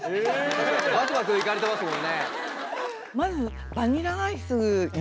ばくばくいかれてますもんね。